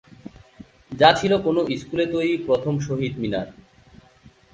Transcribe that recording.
যা ছিলো কোনো স্কুলে তৈরী প্রথম শহীদ মিনার।